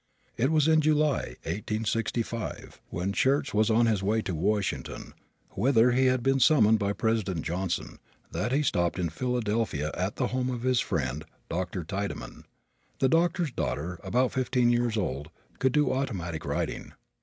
It was in July, 1865, when Schurz was on his way to Washington, whither he had been summoned by President Johnson, that he stopped in Philadelphia at the home of his friend, Dr. Tiedemann. The doctor's daughter, about fifteen years old, could do automatic writing.